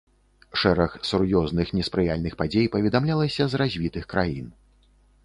Шэраг сур'ёзных неспрыяльных падзей паведамлялася з развітых краін.